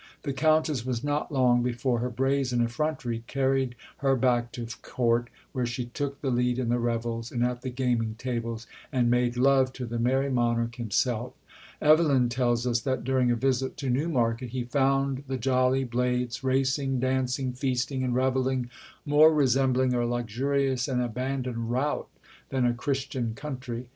The Countess was not long before her brazen effrontery carried her back to Court, where she took the lead in the revels and at the gaming tables, and made love to the "Merrie Monarch" himself. Evelyn tells us that, during a visit to Newmarket, he "found the jolly blades racing, dancing, feasting and revelling, more resembling a luxurious and abandoned rout than a Christian country.